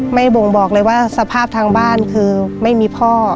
บ่งบอกเลยว่าสภาพทางบ้านคือไม่มีพ่อ